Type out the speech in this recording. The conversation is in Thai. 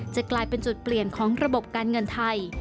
จะกลายเป็นจุดเปลี่ยนของระบบการเงินไทย